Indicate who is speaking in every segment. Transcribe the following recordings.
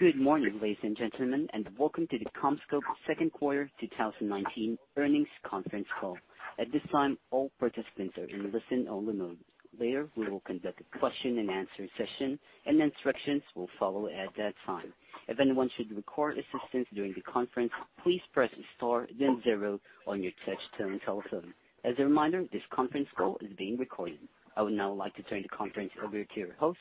Speaker 1: Good morning, ladies and gentlemen, and welcome to the CommScope second quarter 2019 earnings conference call. At this time, all participants are in listen-only mode. Later, we will conduct a question and answer session, and instructions will follow at that time. If anyone should require assistance during the conference, please press star then zero on your touch-tone telephone. As a reminder, this conference call is being recorded. I would now like to turn the conference over to your host,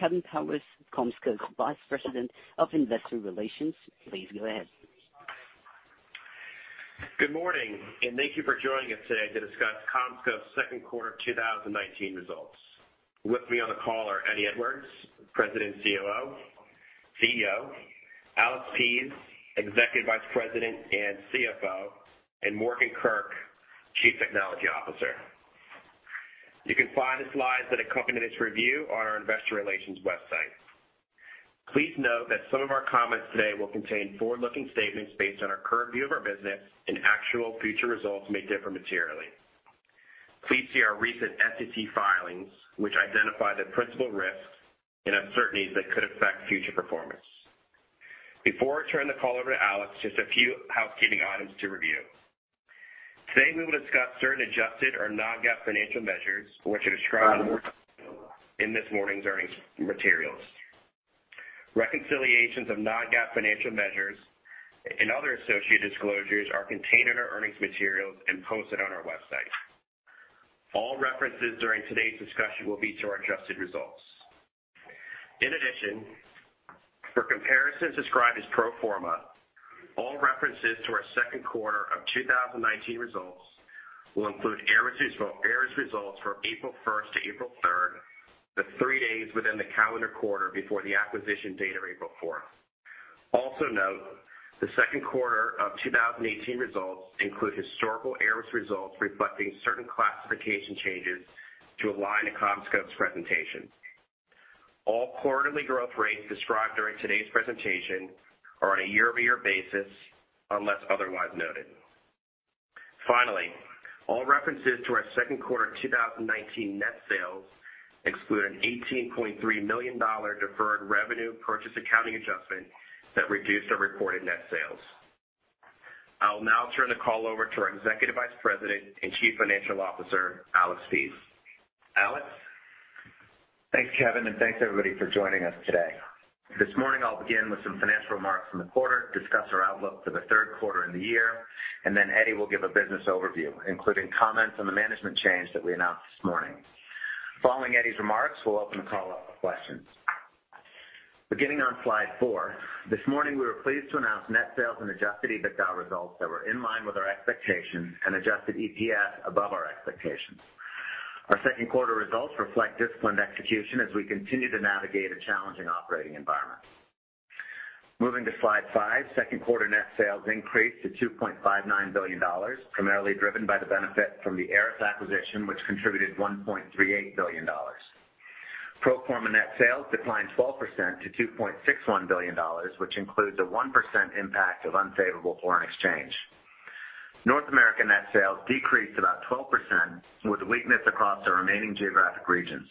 Speaker 1: Kevin Powers, CommScope's Vice President of Investor Relations. Please go ahead.
Speaker 2: Good morning. Thank you for joining us today to discuss CommScope's second quarter 2019 results. With me on the call are Eddie Edwards, President and CEO, Alexander Pease, Executive Vice President and CFO, and Morgan Kurk, Chief Technology Officer. You can find the slides that accompany this review on our investor relations website. Please note that some of our comments today will contain forward-looking statements based on our current view of our business and actual future results may differ materially. Please see our recent SEC filings, which identify the principal risks and uncertainties that could affect future performance. Before I turn the call over to Alex, just a few housekeeping items to review. Today, we will discuss certain adjusted or non-GAAP financial measures, which are described in this morning's earnings materials. Reconciliations of non-GAAP financial measures and other associated disclosures are contained in our earnings materials and posted on our website. All references during today's discussion will be to our adjusted results. In addition, for comparisons described as pro forma, all references to our second quarter of 2019 results will include ARRIS results for April 1st to April 3rd, the three days within the calendar quarter before the acquisition date of April 4th. Also note, the second quarter of 2018 results include historical ARRIS results reflecting certain classification changes to align to CommScope's presentation. All quarterly growth rates described during today's presentation are on a year-over-year basis unless otherwise noted. Finally, all references to our second quarter 2019 net sales exclude an $18.3 million deferred revenue purchase accounting adjustment that reduced our reported net sales. I will now turn the call over to our Executive Vice President and Chief Financial Officer, Alexander Pease. Alex?
Speaker 3: Thanks, Kevin, and thanks everybody for joining us today. This morning I'll begin with some financial remarks from the quarter, discuss our outlook for the third quarter and the year, and then Eddie will give a business overview, including comments on the management change that we announced this morning. Following Eddie's remarks, we'll open the call up for questions. Beginning on slide four, this morning we were pleased to announce net sales and adjusted EBITDA results that were in line with our expectations and adjusted EPS above our expectations. Our second quarter results reflect disciplined execution as we continue to navigate a challenging operating environment. Moving to slide five, second quarter net sales increased to $2.59 billion, primarily driven by the benefit from the ARRIS acquisition, which contributed $1.38 billion. Pro forma net sales declined 12% to $2.61 billion, which includes a 1% impact of unfavorable foreign exchange. North American net sales decreased about 12% with weakness across our remaining geographic regions.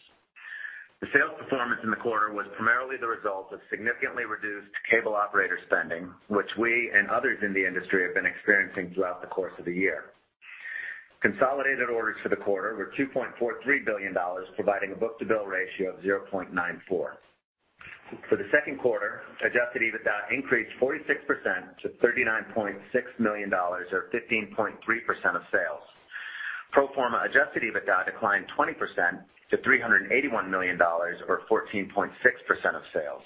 Speaker 3: The sales performance in the quarter was primarily the result of significantly reduced cable operator spending, which we and others in the industry have been experiencing throughout the course of the year. Consolidated orders for the quarter were $2.43 billion, providing a book-to-bill ratio of 0.94. For the second quarter, adjusted EBITDA increased 46% to $39.6 million, or 15.3% of sales. Pro forma adjusted EBITDA declined 20% to $381 million, or 14.6% of sales.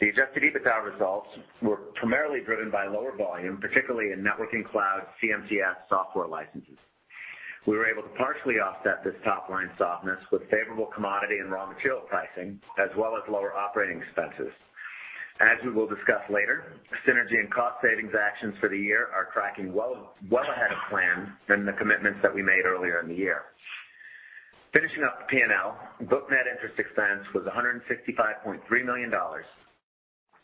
Speaker 3: The adjusted EBITDA results were primarily driven by lower volume, particularly in Network & Cloud CMTS software licenses. We were able to partially offset this top-line softness with favorable commodity and raw material pricing, as well as lower operating expenses. As we will discuss later, synergy and cost savings actions for the year are tracking well ahead of plan than the commitments that we made earlier in the year. Finishing up the P&L, Booked net interest expense was $165.3 million.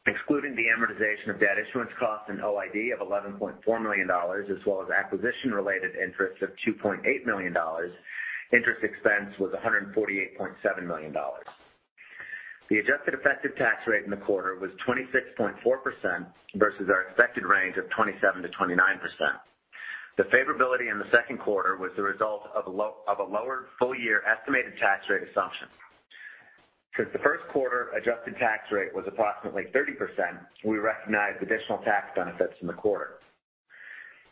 Speaker 3: Excluding the amortization of debt issuance costs and OID of $11.4 million, as well as acquisition-related interest of $2.8 million, interest expense was $148.7 million. The adjusted effective tax rate in the quarter was 26.4% versus our expected range of 27%-29%. The favorability in the second quarter was the result of a lower full-year estimated tax rate assumption. Since the first quarter adjusted tax rate was approximately 30%, we recognized additional tax benefits in the quarter.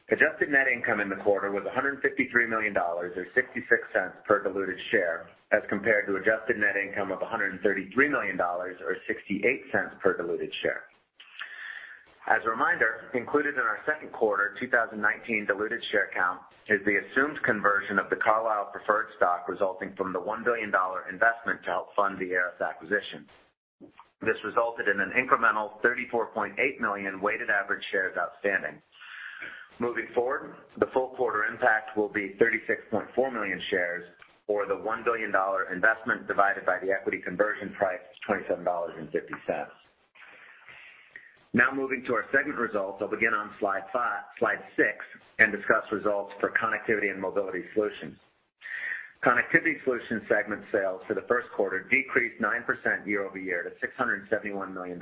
Speaker 3: Adjusted net income in the quarter was $153 million, or $0.66 per diluted share, as compared to adjusted net income of $133 million, or $0.68 per diluted share. As a reminder, included in our second quarter 2019 diluted share count is the assumed conversion of the Carlyle preferred stock resulting from the $1 billion investment to help fund the ARRIS acquisition. This resulted in an incremental 34.8 million weighted average shares outstanding. Moving forward, the full quarter impact will be 36.4 million shares, or the $1 billion investment divided by the equity conversion price, $27.50. Now moving to our segment results. I'll begin on slide six and discuss results for Connectivity and Mobility Solutions segment sales for the first quarter decreased 9% year-over-year to $671 million.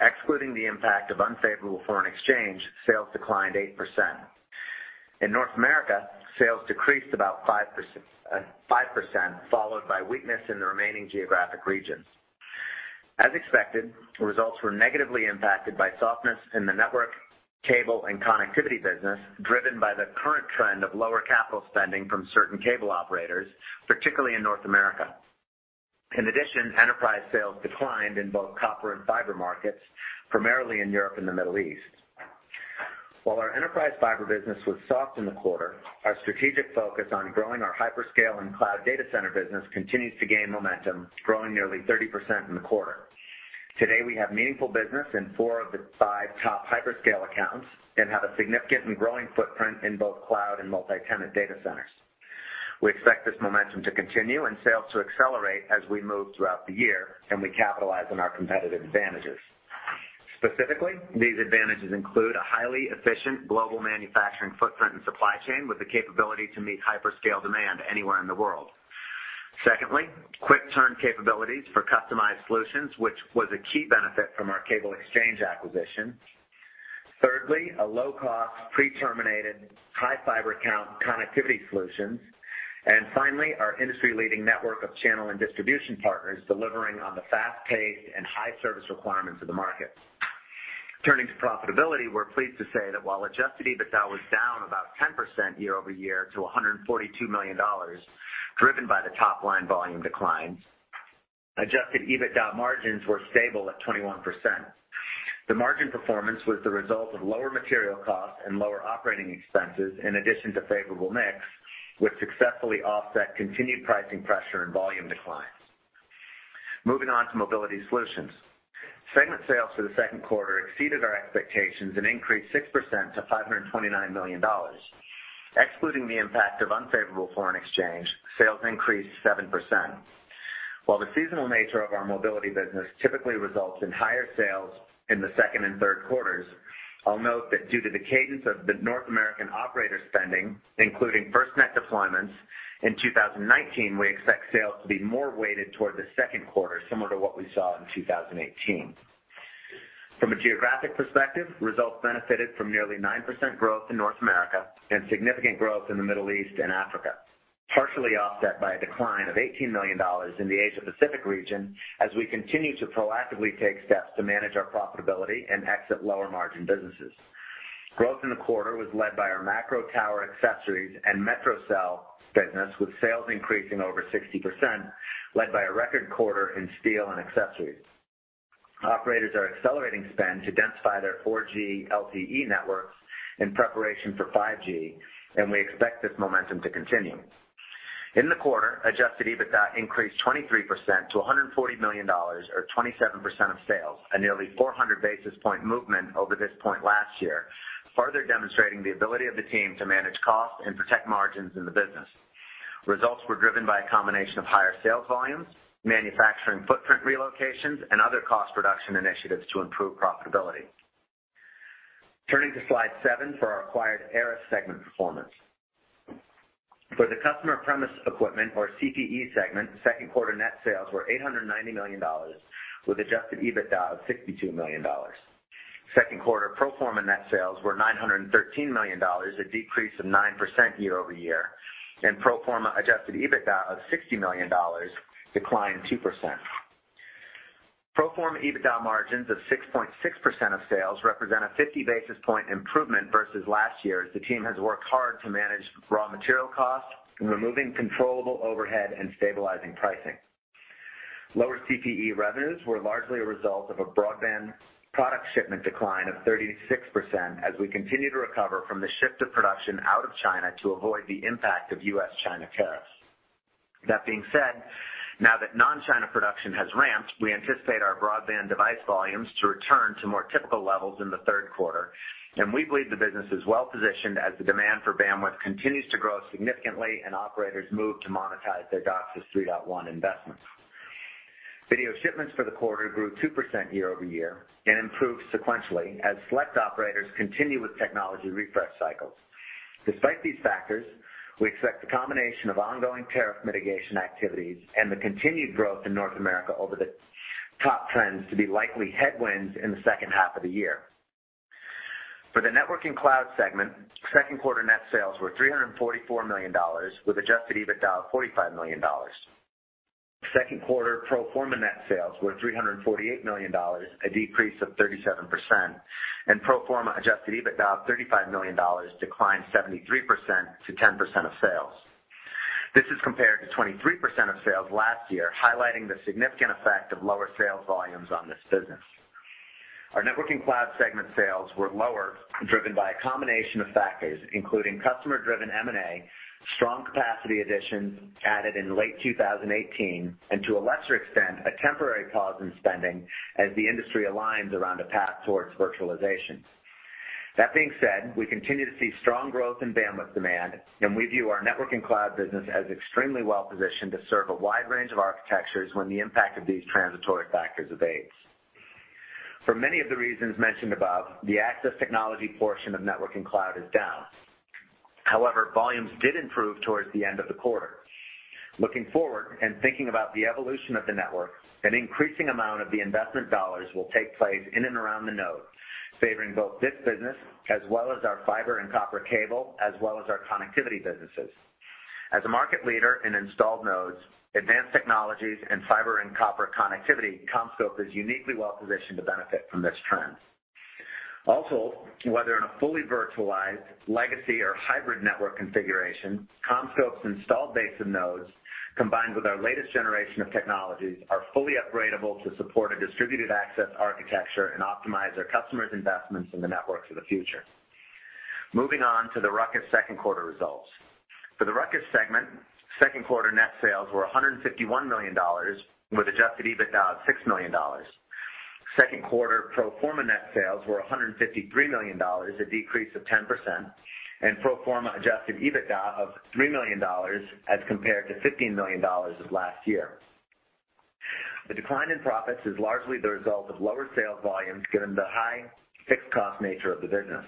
Speaker 3: Excluding the impact of unfavorable foreign exchange, sales declined 8%. In North America, sales decreased about 5%, followed by weakness in the remaining geographic regions. As expected, results were negatively impacted by softness in the network, cable, and connectivity business, driven by the current trend of lower capital spending from certain cable operators, particularly in North America. Enterprise sales declined in both copper and fiber markets, primarily in Europe and the Middle East. While our enterprise fiber business was soft in the quarter, our strategic focus on growing our hyperscale and cloud data center business continues to gain momentum, growing nearly 30% in the quarter. Today, we have meaningful business in four of the five top hyperscale accounts and have a significant and growing footprint in both cloud and multi-tenant data centers. We expect this momentum to continue and sales to accelerate as we move throughout the year, and we capitalize on our competitive advantages. Specifically, these advantages include a highly efficient global manufacturing footprint and supply chain with the capability to meet hyperscale demand anywhere in the world. Quick turn capabilities for customized solutions, which was a key benefit from our Cable Exchange acquisition. A low-cost, pre-terminated high fiber count connectivity solutions. Finally, our industry-leading network of channel and distribution partners delivering on the fast-paced and high service requirements of the market. Turning to profitability, we are pleased to say that while adjusted EBITDA was down about 10% year-over-year to $142 million, driven by the top-line volume declines, adjusted EBITDA margins were stable at 21%. The margin performance was the result of lower material costs and lower operating expenses, in addition to favorable mix, which successfully offset continued pricing pressure and volume declines. Moving on to Mobility Solutions. Segment sales for the second quarter exceeded our expectations and increased 6% to $529 million. Excluding the impact of unfavorable foreign exchange, sales increased 7%. While the seasonal nature of our mobility business typically results in higher sales in the second and third quarters, I'll note that due to the cadence of the North American operator spending, including FirstNet deployments in 2019, we expect sales to be more weighted toward the second quarter, similar to what we saw in 2018. From a geographic perspective, results benefited from nearly 9% growth in North America and significant growth in the Middle East and Africa, partially offset by a decline of $18 million in the Asia Pacific region, as we continue to proactively take steps to manage our profitability and exit lower margin businesses. Growth in the quarter was led by our macro tower accessories and metro cell business, with sales increasing over 60%, led by a record quarter in steel and accessories. We expect this momentum to continue. In the quarter, adjusted EBITDA increased 23% to $140 million or 27% of sales, a nearly 400 basis point movement over this point last year, further demonstrating the ability of the team to manage costs and protect margins in the business. Results were driven by a combination of higher sales volumes, manufacturing footprint relocations, and other cost reduction initiatives to improve profitability. Turning to slide seven for our acquired ARRIS segment performance. For the customer premise equipment or CPE segment, second quarter net sales were $890 million, with adjusted EBITDA of $62 million. Second quarter pro forma net sales were $913 million, a decrease of 9% year-over-year, and pro forma adjusted EBITDA of $60 million, declined 2%. Pro forma EBITDA margins of 6.6% of sales represent a 50 basis point improvement versus last year, as the team has worked hard to manage raw material costs, removing controllable overhead, and stabilizing pricing. Lower CPE revenues were largely a result of a broadband product shipment decline of 36% as we continue to recover from the shift of production out of China to avoid the impact of U.S.-China tariffs. That being said, now that non-China production has ramped, we anticipate our broadband device volumes to return to more typical levels in the third quarter, and we believe the business is well positioned as the demand for bandwidth continues to grow significantly and operators move to monetize their DOCSIS 3.1 investments. Video shipments for the quarter grew 2% year-over-year and improved sequentially as select operators continue with technology refresh cycles. Despite these factors, we expect the combination of ongoing tariff mitigation activities and the continued growth in North America over the top trends to be likely headwinds in the second half of the year. For the Network & Cloud segment, second quarter net sales were $344 million, with adjusted EBITDA of $45 million. Second quarter pro forma net sales were $348 million, a decrease of 37%, and pro forma adjusted EBITDA of $35 million, declined 73% to 10% of sales. This is compared to 23% of sales last year, highlighting the significant effect of lower sales volumes on this business. Our Networking Cloud segment sales were lower, driven by a combination of factors, including customer-driven M&A, strong capacity additions added in late 2018, and to a lesser extent, a temporary pause in spending as the industry aligns around a path towards virtualization. That being said, we continue to see strong growth in bandwidth demand, and we view our Networking Cloud business as extremely well positioned to serve a wide range of architectures when the impact of these transitory factors abates. For many of the reasons mentioned above, the access technology portion of Networking Cloud is down. However, volumes did improve towards the end of the quarter. Looking forward and thinking about the evolution of the network, an increasing amount of the investment dollars will take place in and around the node, favoring both this business as well as our fiber and copper cable, as well as our connectivity businesses. As a market leader in installed nodes, advanced technologies, and fiber and copper connectivity, CommScope is uniquely well-positioned to benefit from this trend. Also, whether in a fully virtualized legacy or hybrid network configuration, CommScope's installed base of nodes, combined with our latest generation of technologies, are fully upgradable to support a Distributed Access Architecture and optimize our customers' investments in the networks of the future. Moving on to the Ruckus second quarter results. For the Ruckus segment, second quarter net sales were $151 million, with adjusted EBITDA of $6 million. Second quarter pro forma net sales were $153 million, a decrease of 10%, and pro forma adjusted EBITDA of $3 million as compared to $15 million as of last year. The decline in profits is largely the result of lower sales volumes given the high fixed cost nature of the business.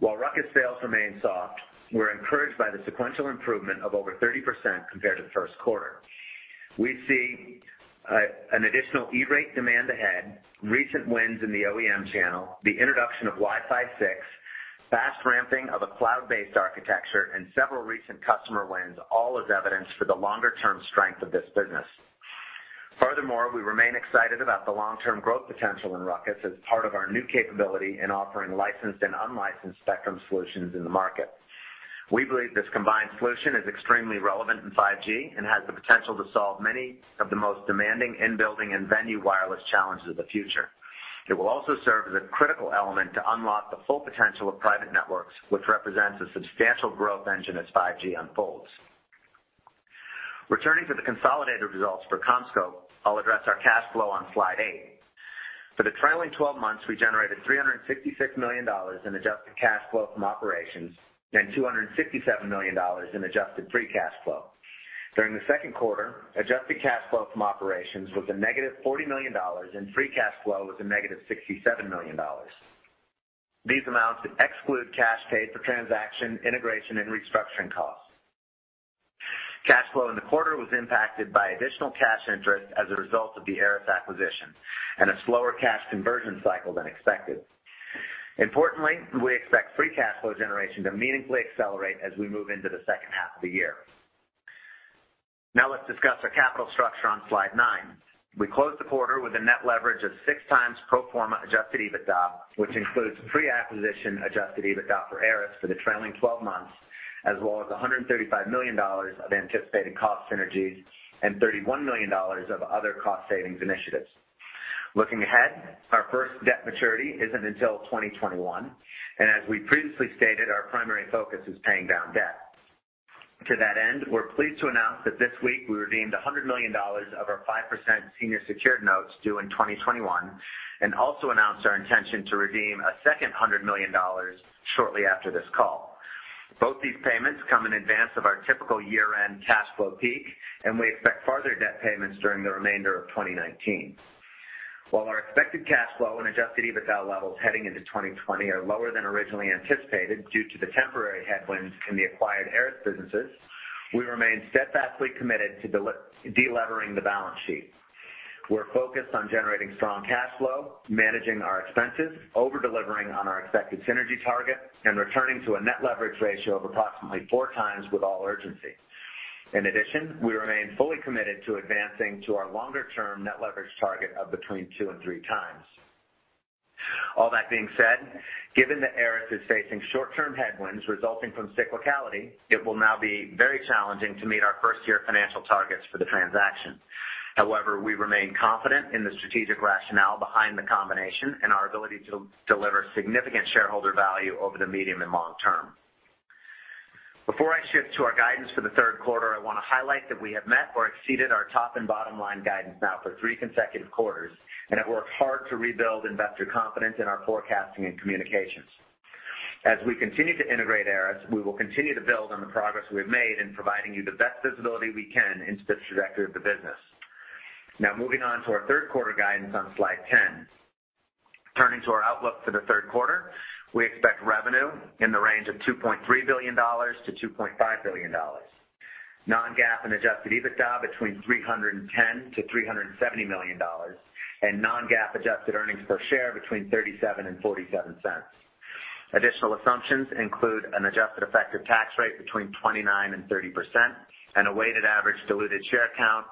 Speaker 3: While Ruckus sales remain soft, we're encouraged by the sequential improvement of over 30% compared to the first quarter. We see an additional E-Rate demand ahead, recent wins in the OEM channel, the introduction of Wi-Fi 6, fast ramping of a cloud-based architecture, and several recent customer wins, all as evidence for the longer-term strength of this business. We remain excited about the long-term growth potential in Ruckus as part of our new capability in offering licensed and unlicensed spectrum solutions in the market. We believe this combined solution is extremely relevant in 5G and has the potential to solve many of the most demanding in-building and venue wireless challenges of the future. It will also serve as a critical element to unlock the full potential of private networks, which represents a substantial growth engine as 5G unfolds. Returning to the consolidated results for CommScope, I'll address our cash flow on slide eight. For the trailing 12 months, we generated $366 million in adjusted cash flow from operations and $267 million in adjusted free cash flow. During the second quarter, adjusted cash flow from operations was a negative $40 million, and free cash flow was a negative $67 million. These amounts exclude cash paid for transaction, integration, and restructuring costs. Cash flow in the quarter was impacted by additional cash interest as a result of the ARRIS acquisition and a slower cash conversion cycle than expected. Importantly, we expect free cash flow generation to meaningfully accelerate as we move into the second half of the year. Now let's discuss our capital structure on slide nine. We closed the quarter with a net leverage of six times pro forma adjusted EBITDA, which includes pre-acquisition adjusted EBITDA for ARRIS for the trailing 12 months, as well as $135 million of anticipated cost synergies and $31 million of other cost savings initiatives. Looking ahead, our first debt maturity isn't until 2021. As we previously stated, our primary focus is paying down debt. To that end, we're pleased to announce that this week we redeemed $100 million of our 5% senior secured notes due in 2021 and also announced our intention to redeem a second $100 million shortly after this call. Both these payments come in advance of our typical year-end cash flow peak. We expect further debt payments during the remainder of 2019. While our expected cash flow and adjusted EBITDA levels heading into 2020 are lower than originally anticipated due to the temporary headwinds in the acquired ARRIS businesses, we remain steadfastly committed to de-levering the balance sheet. We're focused on generating strong cash flow, managing our expenses, over-delivering on our expected synergy target, and returning to a net leverage ratio of approximately four times with all urgency. In addition, we remain fully committed to advancing to our longer-term net leverage target of between two and three times. All that being said, given that ARRIS is facing short-term headwinds resulting from cyclicality, it will now be very challenging to meet our first-year financial targets for the transaction. However, we remain confident in the strategic rationale behind the combination and our ability to deliver significant shareholder value over the medium and long term. Before I shift to our guidance for the third quarter, I want to highlight that we have met or exceeded our top and bottom line guidance now for three consecutive quarters, and have worked hard to rebuild investor confidence in our forecasting and communications. As we continue to integrate ARRIS, we will continue to build on the progress we've made in providing you the best visibility we can into the trajectory of the business. Now, moving on to our third quarter guidance on slide 10. Turning to our outlook for the third quarter, we expect revenue in the range of $2.3 billion-$2.5 billion. Non-GAAP and adjusted EBITDA between $310 million-$370 million, and non-GAAP adjusted earnings per share between $0.37-$0.47. Additional assumptions include an adjusted effective tax rate between 29%-30% and a weighted average diluted share count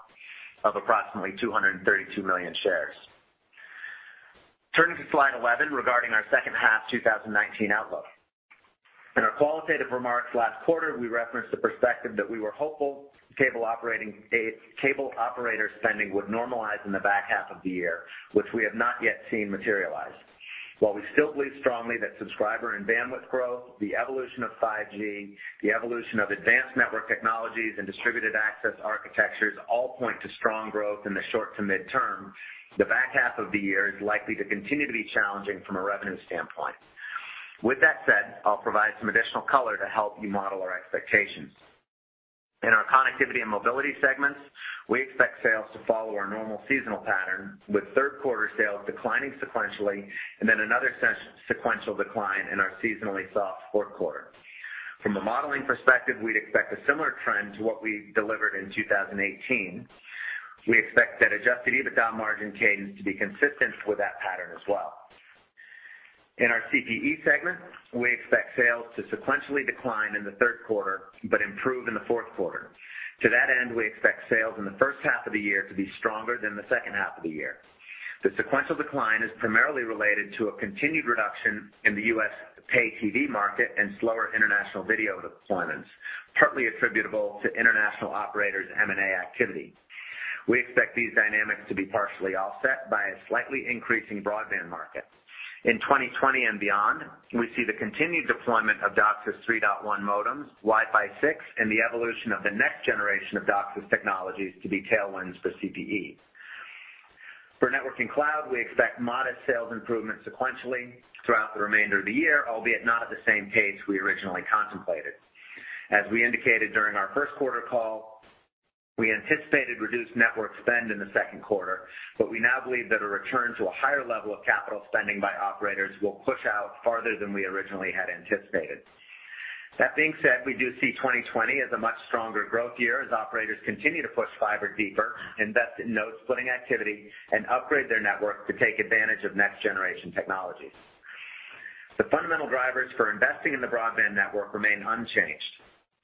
Speaker 3: of approximately 232 million shares. Turning to slide 11 regarding our second half 2019 outlook. In our qualitative remarks last quarter, we referenced the perspective that we were hopeful cable operator spending would normalize in the back half of the year, which we have not yet seen materialize. While we still believe strongly that subscriber and bandwidth growth, the evolution of 5G, the evolution of advanced network technologies, and Distributed Access Architectures all point to strong growth in the short to midterm, the back half of the year is likely to continue to be challenging from a revenue standpoint. With that said, I'll provide some additional color to help you model our expectations. In our Connectivity and Mobility Solutions, we expect sales to follow our normal seasonal pattern, with third quarter sales declining sequentially and then another sequential decline in our seasonally soft fourth quarter. From a modeling perspective, we'd expect a similar trend to what we delivered in 2018. We expect that adjusted EBITDA margin cadence to be consistent with that pattern as well. In our CPE segment, we expect sales to sequentially decline in the third quarter, but improve in the fourth quarter. To that end, we expect sales in the first half of the year to be stronger than the second half of the year. The sequential decline is primarily related to a continued reduction in the U.S. paid TV market and slower international video deployments, partly attributable to international operators' M&A activity. We expect these dynamics to be partially offset by a slightly increasing broadband market. In 2020 and beyond, we see the continued deployment of DOCSIS 3.1 modems, Wi-Fi 6, and the evolution of the next generation of DOCSIS technologies to be tailwinds for CPE. For Network & Cloud, we expect modest sales improvement sequentially throughout the remainder of the year, albeit not at the same pace we originally contemplated. We indicated during our first quarter call, we anticipated reduced network spend in the second quarter, we now believe that a return to a higher level of capital spending by operators will push out farther than we originally had anticipated. That being said, we do see 2020 as a much stronger growth year as operators continue to push fiber deeper, invest in node splitting activity, and upgrade their network to take advantage of next-generation technologies. The fundamental drivers for investing in the broadband network remain unchanged.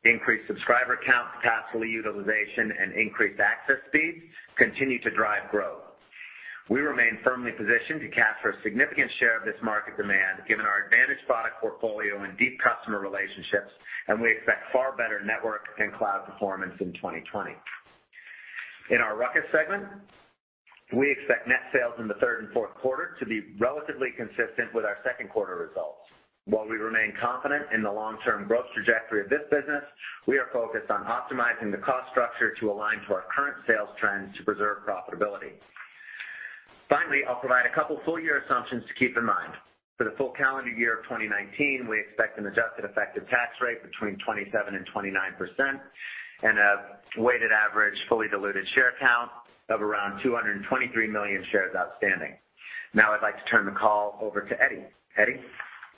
Speaker 3: Increased subscriber count, capacity utilization, and increased access speeds continue to drive growth. We remain firmly positioned to capture a significant share of this market demand, given our advantaged product portfolio and deep customer relationships. We expect far better network and cloud performance in 2020. In our Ruckus segment, we expect net sales in the third and fourth quarter to be relatively consistent with our second quarter results. While we remain confident in the long-term growth trajectory of this business, we are focused on optimizing the cost structure to align to our current sales trends to preserve profitability. Finally, I'll provide a couple full year assumptions to keep in mind. For the full calendar year of 2019, we expect an adjusted effective tax rate between 27% and 29%, and a weighted average fully diluted share count of around 223 million shares outstanding. I'd like to turn the call over to Eddie. Eddie?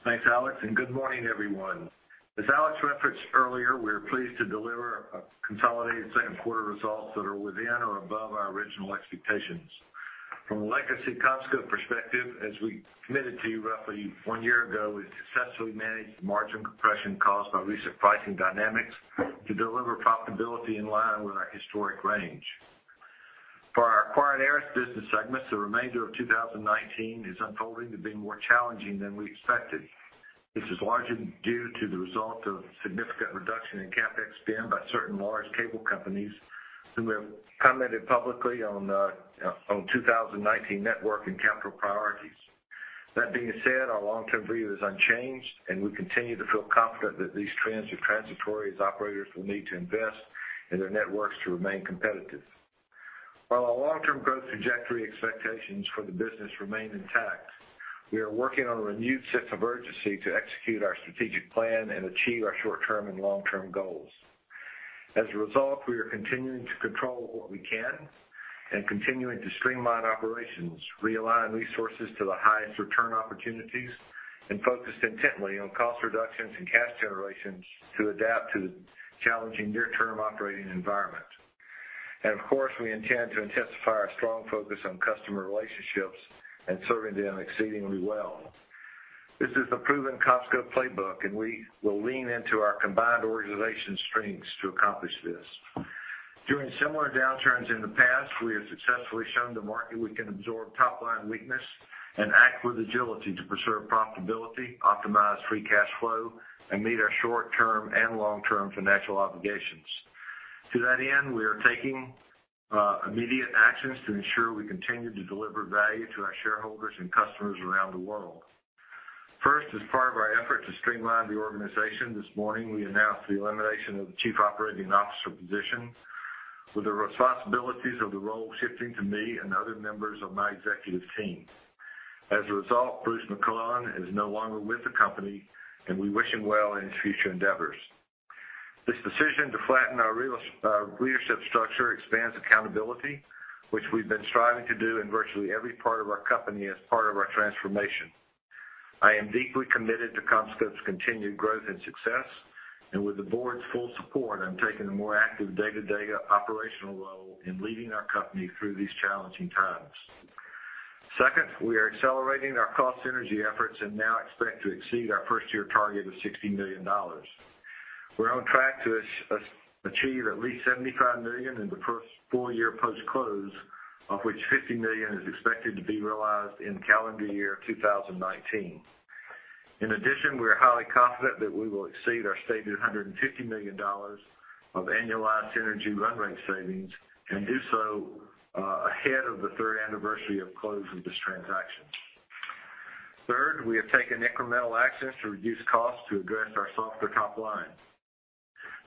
Speaker 4: Thanks, Alex. Good morning, everyone. As Alex referenced earlier, we are pleased to deliver consolidated second quarter results that are within or above our original expectations. From a legacy CommScope perspective, as we committed to you roughly one year ago, we successfully managed the margin compression caused by recent pricing dynamics to deliver profitability in line with our historic range. For our acquired ARRIS business segment, the remainder of 2019 is unfolding to be more challenging than we expected. This is largely due to the result of significant reduction in CapEx spend by certain large cable companies who have commented publicly on 2019 network and capital priorities. That being said, our long-term view is unchanged, and we continue to feel confident that these trends are transitory as operators will need to invest in their networks to remain competitive. While our long-term growth trajectory expectations for the business remain intact, we are working on a renewed sense of urgency to execute our strategic plan and achieve our short-term and long-term goals. As a result, we are continuing to control what we can and continuing to streamline operations, realign resources to the highest return opportunities, and focus intently on cost reductions and cash generations to adapt to the challenging near-term operating environment. Of course, we intend to intensify our strong focus on customer relationships and serving them exceedingly well. This is the proven CommScope playbook, and we will lean into our combined organization strengths to accomplish this. During similar downturns in the past, we have successfully shown the market we can absorb top-line weakness and act with agility to preserve profitability, optimize free cash flow, and meet our short-term and long-term financial obligations. To that end, we are taking immediate actions to ensure we continue to deliver value to our shareholders and customers around the world. First, as part of our effort to streamline the organization, this morning, we announced the elimination of the Chief Operating Officer position, with the responsibilities of the role shifting to me and other members of my executive team. As a result, Bruce McClelland is no longer with the company, and we wish him well in his future endeavors. This decision to flatten our leadership structure expands accountability, which we've been striving to do in virtually every part of our company as part of our transformation. I am deeply committed to CommScope's continued growth and success, and with the board's full support, I'm taking a more active day-to-day operational role in leading our company through these challenging times. Second, we are accelerating our cost synergy efforts and now expect to exceed our first-year target of $60 million. We're on track to achieve at least $75 million in the first full year post-close, of which $50 million is expected to be realized in calendar year 2019. In addition, we are highly confident that we will exceed our stated $150 million of annualized synergy run rate savings and do so ahead of the third anniversary of close of this transaction. Third, we have taken incremental actions to reduce costs to address our softer top line.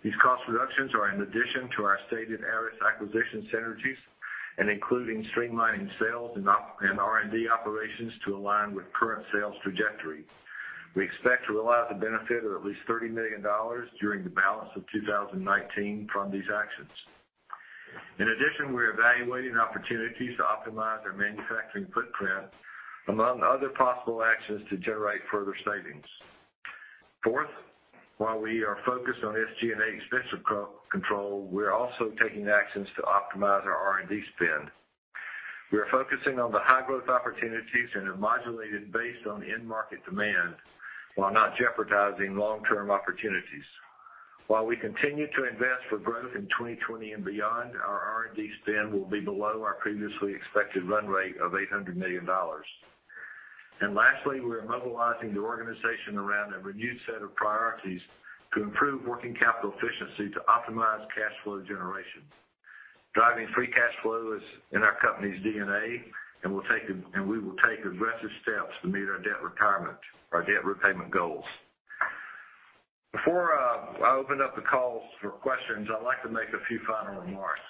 Speaker 4: These cost reductions are in addition to our stated ARRIS acquisition synergies, including streamlining sales and R&D operations to align with current sales trajectory. We expect to realize the benefit of at least $30 million during the balance of 2019 from these actions. In addition, we're evaluating opportunities to optimize our manufacturing footprint, among other possible actions, to generate further savings. Fourth, while we are focused on SG&A expense control, we're also taking actions to optimize our R&D spend. We are focusing on the high-growth opportunities and have modulated based on end-market demand while not jeopardizing long-term opportunities. While we continue to invest for growth in 2020 and beyond, our R&D spend will be below our previously expected run rate of $800 million. Lastly, we are mobilizing the organization around a renewed set of priorities to improve working capital efficiency to optimize cash flow generation. Driving free cash flow is in our company's DNA, and we will take aggressive steps to meet our debt repayment goals. Before I open up the calls for questions, I'd like to make a few final remarks.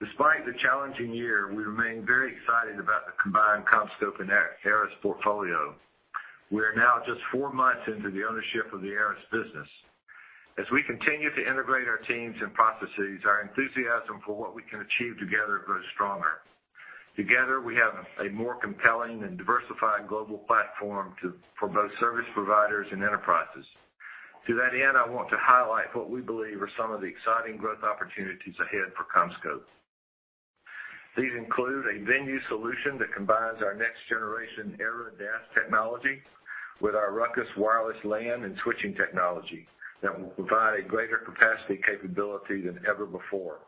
Speaker 4: Despite the challenging year, we remain very excited about the combined CommScope and ARRIS portfolio. We are now just four months into the ownership of the ARRIS business. As we continue to integrate our teams and processes, our enthusiasm for what we can achieve together grows stronger. Together, we have a more compelling and diversified global platform for both service providers and enterprises. To that end, I want to highlight what we believe are some of the exciting growth opportunities ahead for CommScope. These include a venue solution that combines our next-generation ERA DAS technology with our Ruckus wireless LAN and switching technology that will provide a greater capacity capability than ever before.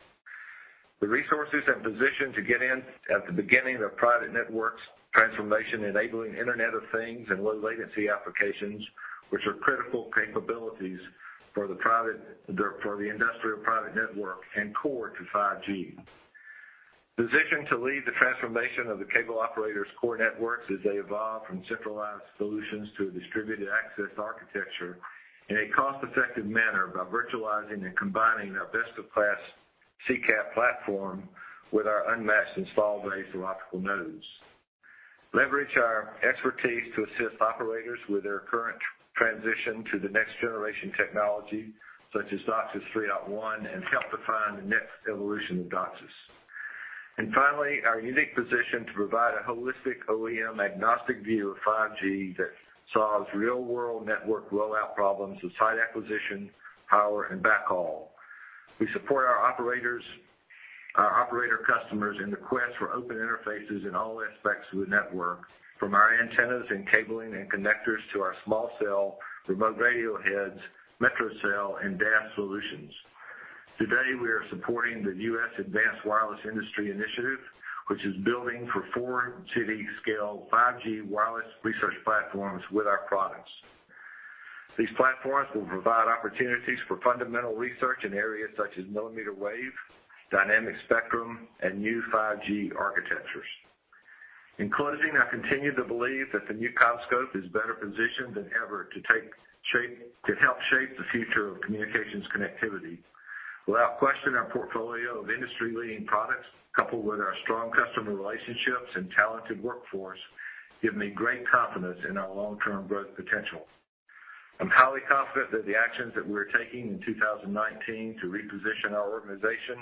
Speaker 4: The resources and position to get in at the beginning of private networks transformation, enabling Internet of Things and low latency applications, which are critical capabilities for the industrial private network and core to 5G. Positioned to lead the transformation of the cable operators' core networks as they evolve from centralized solutions to a Distributed Access Architecture in a cost-effective manner by virtualizing and combining our best of class CCAP platform with our unmatched install base of optical nodes. Leverage our expertise to assist operators with their current transition to the next generation technology, such as DOCSIS 3.1, and help define the next evolution of DOCSIS. Finally, our unique position to provide a holistic OEM agnostic view of 5G that solves real-world network rollout problems with site acquisition, power, and backhaul. We support our operator customers in the quest for open interfaces in all aspects of the network, from our antennas and cabling and connectors to our small cell, remote radio heads, metro cell, and DAS solutions. Today, we are supporting the U.S. Advanced Wireless Research Initiative, which is building for four city scale 5G wireless research platforms with our products. These platforms will provide opportunities for fundamental research in areas such as millimeter wave, dynamic spectrum, and new 5G architectures. In closing, I continue to believe that the new CommScope is better positioned than ever to help shape the future of communications connectivity. Without question, our portfolio of industry-leading products, coupled with our strong customer relationships and talented workforce, give me great confidence in our long-term growth potential. I'm highly confident that the actions that we're taking in 2019 to reposition our organization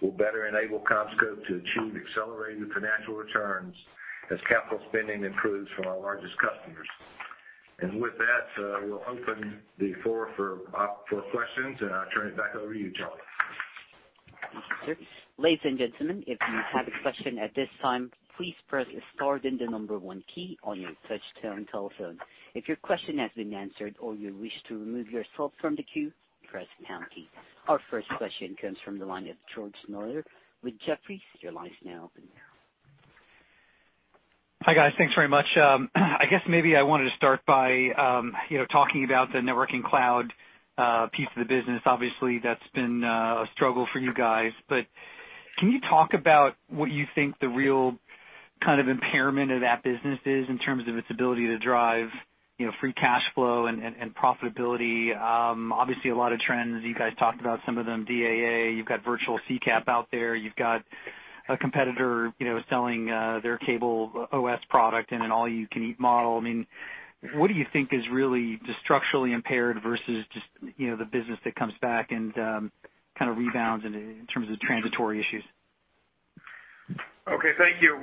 Speaker 4: will better enable CommScope to achieve accelerated financial returns as capital spending improves from our largest customers. With that, we'll open the floor for questions, and I'll turn it back over to you, Charlie.
Speaker 1: Thank you, sir. Ladies and gentlemen, if you have a question at this time, please press star then the number 1 key on your touchtone telephone. If your question has been answered or you wish to remove yourself from the queue, press pound key. Our first question comes from the line of George Notter with Jefferies. Your line is now open.
Speaker 5: Hi, guys. Thanks very much. I wanted to start by talking about the Network & Cloud piece of the business. Obviously, that's been a struggle for you guys. Can you talk about what you think the real kind of impairment of that business is in terms of its ability to drive free cash flow and profitability? Obviously, a lot of trends, you guys talked about some of them, DAA, you've got virtual CCAP out there. You've got a competitor selling their CableOS product in an all-you-can-eat model. What do you think is really just structurally impaired versus just the business that comes back and kind of rebounds in terms of transitory issues?
Speaker 6: Okay, thank you.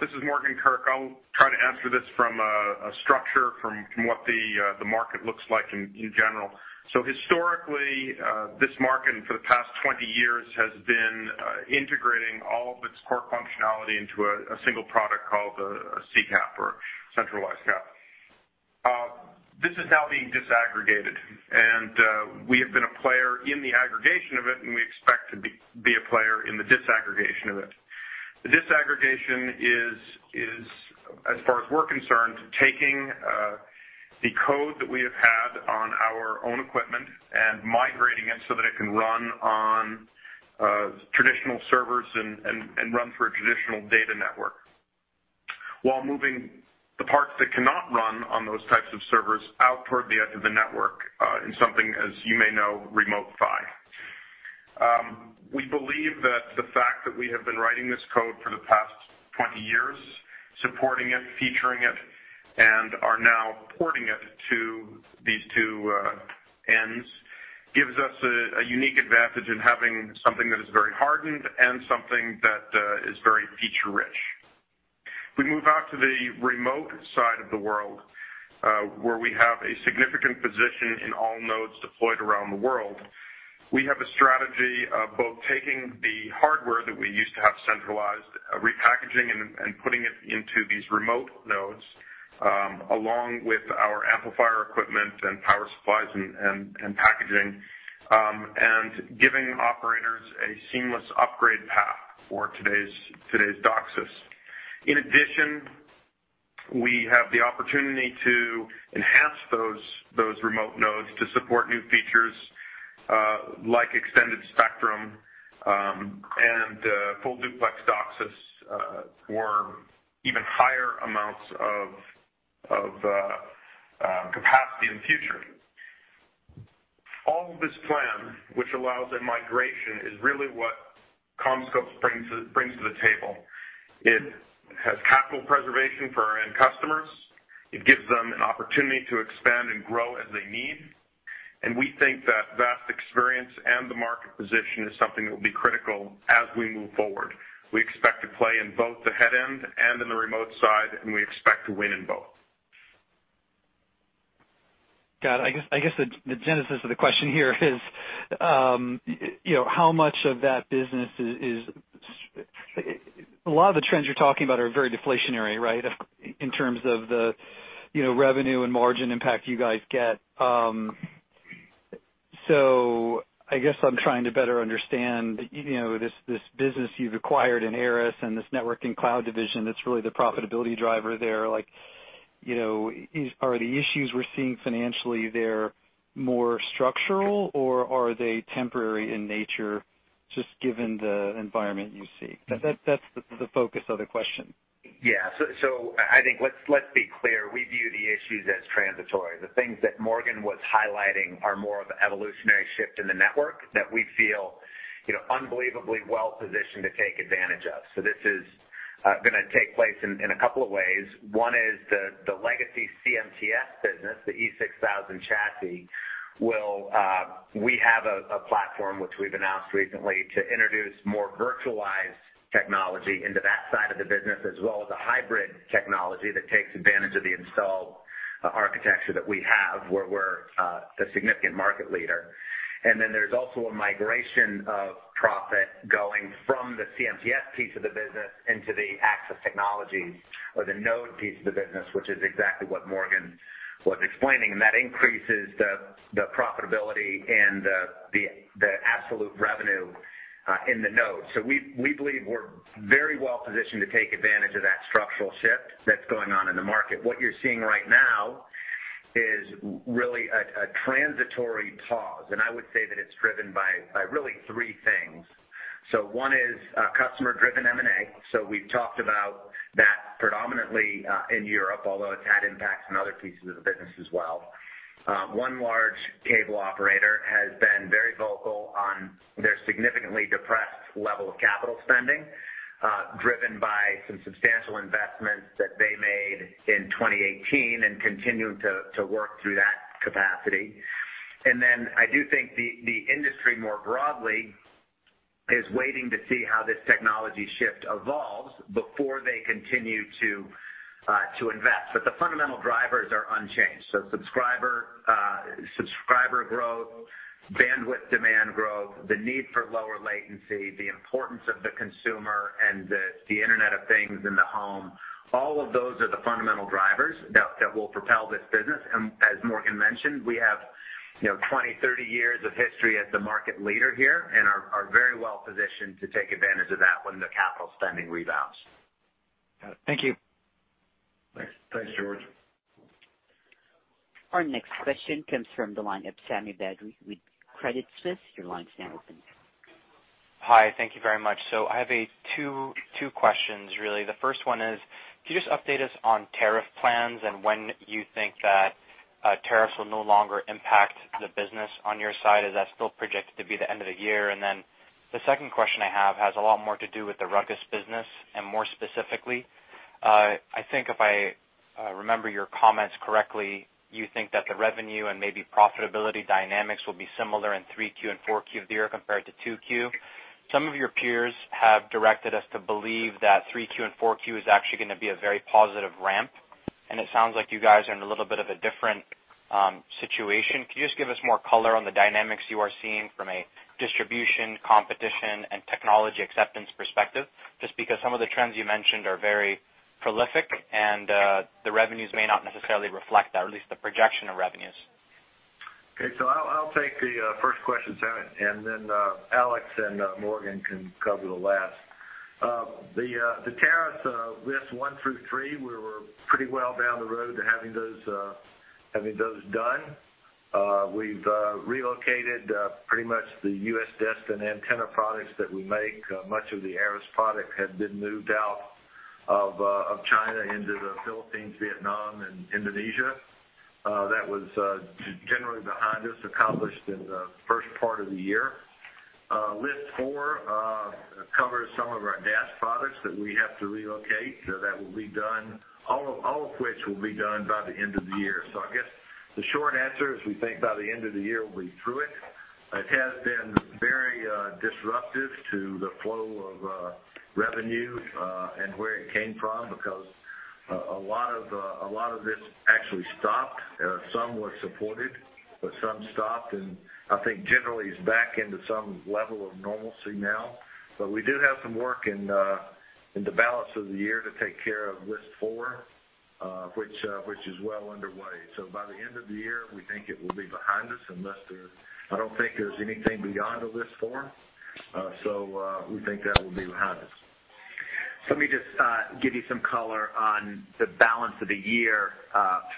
Speaker 6: This is Morgan Kurk. I'll try to answer this from a structure, from what the market looks like in general. Historically, this market for the past 20 years has been integrating all of its core functionality into a single product called a CCAP or centralized CCAP. This is now being disaggregated, and we have been a player in the aggregation of it, and we expect to be a player in the disaggregation of it. The disaggregation is, as far as we're concerned, taking the code that we have had on our own equipment and migrating it so that it can run on traditional servers and run through a traditional data network. Moving the parts that cannot run on those types of servers out toward the edge of the network in something, as you may know, Remote PHY. We believe that the fact that we have been writing this code for the past 20 years, supporting it, featuring it, and are now porting it to these two ends, gives us a unique advantage in having something that is very hardened and something that is very feature-rich. We move out to the remote side of the world, where we have a significant position in all nodes deployed around the world. We have a strategy of both taking the hardware that we used to have centralized, repackaging and putting it into these remote nodes, along with our amplifier equipment and power supplies and packaging, and giving operators a seamless upgrade path for today's DOCSIS. In addition, we have the opportunity to enhance those remote nodes to support new features, like Extended Spectrum, and Full Duplex DOCSIS, or even higher amounts of capacity in the future. All of this plan, which allows a migration, is really what CommScope brings to the table. It has capital preservation for our end customers. It gives them an opportunity to expand and grow as they need. We think that vast experience and the market position is something that will be critical as we move forward. We expect to play in both the headend and in the remote side, and we expect to win in both.
Speaker 5: Got it. I guess, the genesis of the question here is how much of that business, a lot of the trends you're talking about are very deflationary, right, in terms of the revenue and margin impact you guys get. I guess I'm trying to better understand this business you've acquired in ARRIS and this Network & Cloud division that's really the profitability driver there. Are the issues we're seeing financially there more structural or are they temporary in nature, just given the environment you see? That's the focus of the question.
Speaker 3: Yeah. I think let's be clear. We view the issues as transitory. The things that Morgan was highlighting are more of an evolutionary shift in the network that we feel unbelievably well-positioned to take advantage of. This is going to take place in a couple of ways. One is the legacy CMTS business, the E6000 chassis. We have a platform which we've announced recently to introduce more virtualized technology into that side of the business as well as a hybrid technology that takes advantage of the installed architecture that we have, where we're the significant market leader. There's also a migration of profit going from the CMTS piece of the business into the access technologies or the node piece of the business, which is exactly what Morgan was explaining, and that increases the profitability and the absolute revenue in the node. We believe we're very well positioned to take advantage of that structural shift that's going on in the market. What you're seeing right now is really a transitory pause, and I would say that it's driven by really three things. One is customer-driven M&A. We've talked about that predominantly in Europe, although it's had impacts on other pieces of the business as well. One large cable operator has been very vocal on their significantly depressed level of capital spending, driven by some substantial investments that they made in 2018 and continuing to work through that capacity. I do think the industry, more broadly, is waiting to see how this technology shift evolves before they continue to invest. The fundamental drivers are unchanged. Subscriber growth, bandwidth demand growth, the need for lower latency, the importance of the consumer and the Internet of Things in the home, all of those are the fundamental drivers that will propel this business. As Morgan mentioned, we have 20, 30 years of history as the market leader here and are very well positioned to take advantage of that when the capital spending rebounds.
Speaker 5: Got it. Thank you.
Speaker 6: Thanks, George.
Speaker 1: Our next question comes from the line of Sami Badri with Credit Suisse. Your line's now open.
Speaker 7: Hi. Thank you very much. I have two questions, really. The first one is, can you just update us on tariff plans and when you think that tariffs will no longer impact the business on your side? Is that still projected to be the end of the year? The second question I have has a lot more to do with the Ruckus business, and more specifically, I think if I remember your comments correctly, you think that the revenue and maybe profitability dynamics will be similar in 3Q and 4Q of the year compared to 2Q. Some of your peers have directed us to believe that 3Q and 4Q is actually going to be a very positive ramp, and it sounds like you guys are in a little bit of a different situation. Can you just give us more color on the dynamics you are seeing from a distribution, competition, and technology acceptance perspective? Just because some of the trends you mentioned are very prolific and the revenues may not necessarily reflect that, or at least the projection of revenues.
Speaker 4: I'll take the first question, Sami, and then Alex and Morgan can cover the last. The tariffs risk one through three were pretty well down the road to having those done. We've relocated pretty much the U.S. desk and antenna products that we make. Much of the ARRIS product had been moved out of China into the Philippines, Vietnam, and Indonesia. That was generally behind us, accomplished in the first part of the year. List 4 covers some of our DAS products that we have to relocate. All of which will be done by the end of the year. I guess the short answer is we think by the end of the year, we'll be through it. It has been very disruptive to the flow of revenue, and where it came from, because a lot of this actually stopped. Some were supported, but some stopped, and I think generally it's back into some level of normalcy now. We do have some work in the balance of the year to take care of List 4, which is well underway. By the end of the year, we think it will be behind us unless I don't think there's anything beyond the List 4. We think that will be behind us.
Speaker 3: Let me just give you some color on the balance of the year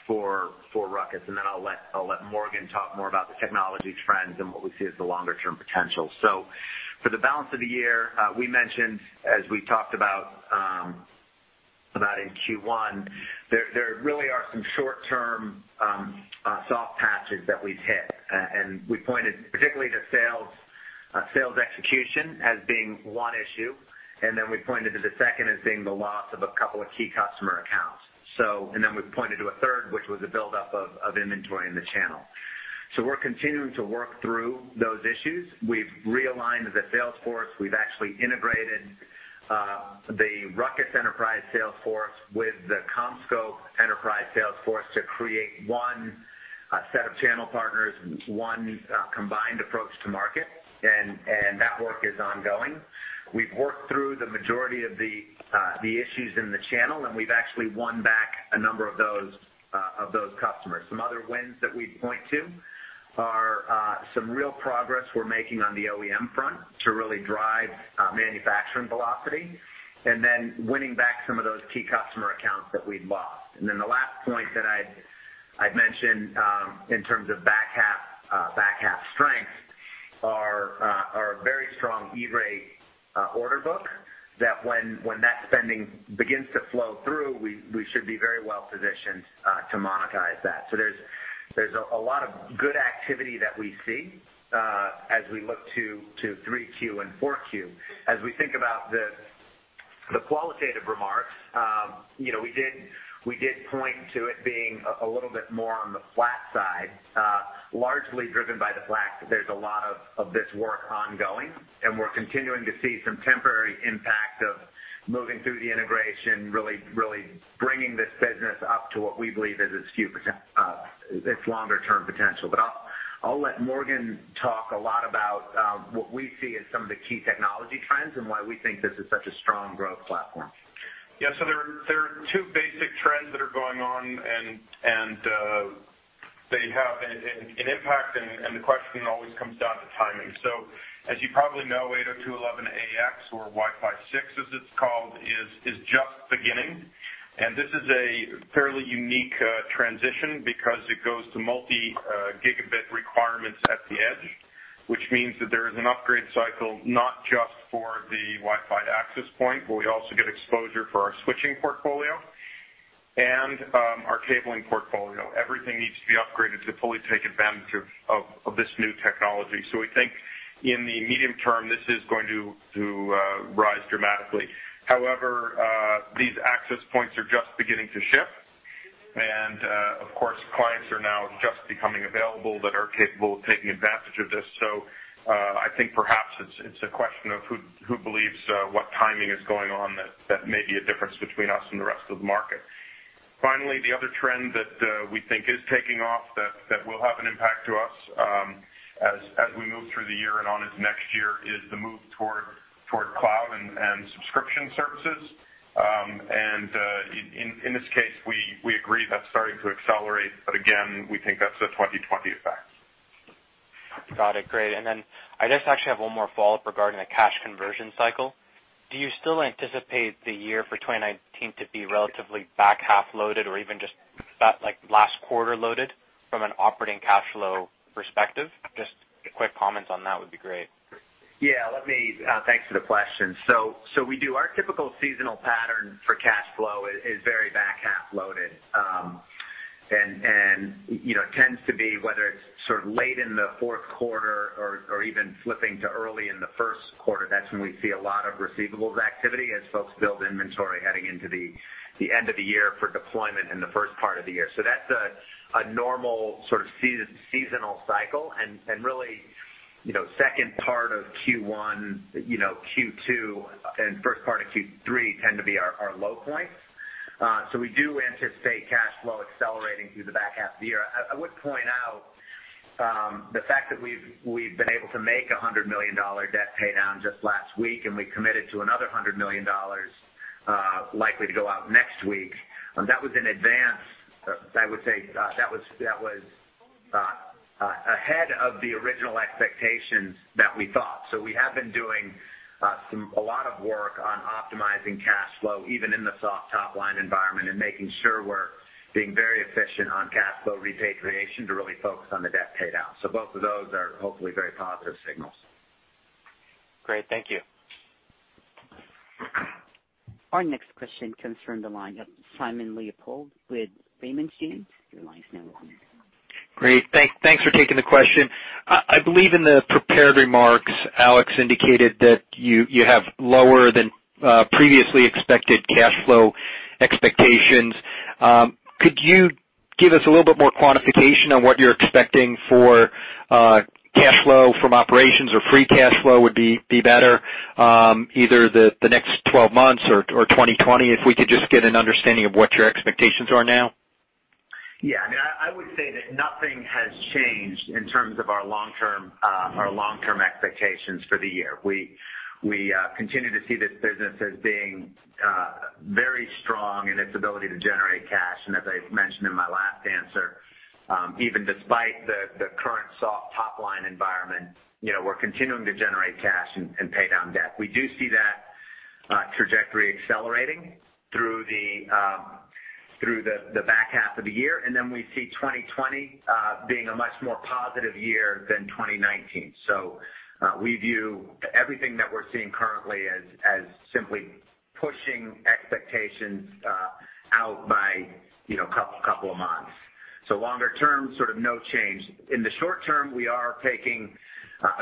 Speaker 3: for Ruckus, then I'll let Morgan talk more about the technology trends and what we see as the longer-term potential. For the balance of the year, we mentioned, as we talked about in Q1, there really are some short-term soft patches that we've hit. We pointed particularly to sales execution as being one issue, and then we pointed to the second as being the loss of a couple of key customer accounts. Then we pointed to a third, which was a buildup of inventory in the channel. We're continuing to work through those issues. We've realigned the sales force. We've actually integrated the Ruckus enterprise sales force with the CommScope enterprise sales force to create one set of channel partners, one combined approach to market, and that work is ongoing. We've worked through the majority of the issues in the channel, and we've actually won back a number of those customers. Some other wins that we'd point to are some real progress we're making on the OEM front to really drive manufacturing velocity. Then winning back some of those key customer accounts that we'd lost. Then the last point that I'd mention, in terms of back half strength, are a very strong E-Rate order book that when that spending begins to flow through, we should be very well positioned to monetize that. There's a lot of good activity that we see as we look to 3Q and 4Q. As we think about the qualitative remarks, we did point to it being a little bit more on the flat side, largely driven by the fact that there's a lot of this work ongoing, and we're continuing to see some temporary impact of moving through the integration, really bringing this business up to what we believe is its longer-term potential. I'll let Morgan talk a lot about what we see as some of the key technology trends and why we think this is such a strong growth platform.
Speaker 6: Yeah. There are two basic trends that are going on, and they have an impact, and the question always comes down to timing. As you probably know, 802.11ax or Wi-Fi 6, as it's called, is just beginning. This is a fairly unique transition because it goes to multi-gigabit requirements at the edge, which means that there is an upgrade cycle, not just for the Wi-Fi access point, but we also get exposure for our switching portfolio and our cabling portfolio. Everything needs to be upgraded to fully take advantage of this new technology. We think in the medium term, this is going to rise dramatically. However, these access points are just beginning to ship. Of course, clients are now just becoming available that are capable of taking advantage of this. I think perhaps it's a question of who believes what timing is going on that may be a difference between us and the rest of the market. Finally, the other trend that we think is taking off that will have an impact to us, as we move through the year and on its next year, is the move toward cloud and subscription services. In this case, we agree that's starting to accelerate, but again, we think that's a 2020 effect.
Speaker 7: Got it. Great. I just actually have one more follow-up regarding the cash conversion cycle. Do you still anticipate the year for 2019 to be relatively back-half loaded or even just that last quarter loaded from an operating cash flow perspective? Just a quick comment on that would be great.
Speaker 3: Yeah. Thanks for the question. We do. Our typical seasonal pattern for cash flow is very back-half loaded. Tends to be, whether it's sort of late in the fourth quarter or even flipping to early in the first quarter, that's when we see a lot of receivables activity as folks build inventory heading into the end of the year for deployment in the first part of the year. That's a normal sort of seasonal cycle and really, second part of Q1, Q2, and first part of Q3 tend to be our low points. We do anticipate cash flow accelerating through the back half of the year. I would point out the fact that we've been able to make $100 million debt pay down just last week, and we committed to another $100 million likely to go out next week. That was in advance, I would say, that was ahead of the original expectations that we thought. We have been doing a lot of work on optimizing cash flow, even in the soft top-line environment, and making sure we're being very efficient on cash flow repatriation to really focus on the debt pay down. Both of those are hopefully very positive signals.
Speaker 7: Great. Thank you.
Speaker 1: Our next question comes from the line of Simon Leopold with Raymond James. Your line is now open.
Speaker 8: Great. Thanks for taking the question. I believe in the prepared remarks, Alex indicated that you have lower than previously expected cash flow expectations. Could you give us a little bit more quantification on what you're expecting for cash flow from operations or free cash flow would be better, either the next 12 months or 2020, if we could just get an understanding of what your expectations are now?
Speaker 3: Yeah. I would say that nothing has changed in terms of our long-term expectations for the year. We continue to see this business as being very strong in its ability to generate cash, and as I mentioned in my last answer, even despite the current soft top-line environment, we're continuing to generate cash and pay down debt. We do see that trajectory accelerating through the back half of the year, and then we see 2020 being a much more positive year than 2019. We view everything that we're seeing currently as simply pushing expectations out by a couple of months. Longer term, sort of no change. In the short term, we are taking